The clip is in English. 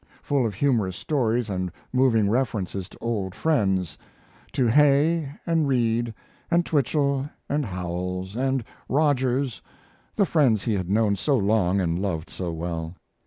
] full of humorous stories and moving references to old friends to Hay; and Reed, and Twichell, and Howells, and Rogers, the friends he had known so long and loved so well.